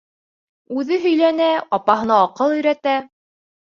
Үҙе һөйләнә, апаһына аҡыл өйрәтә.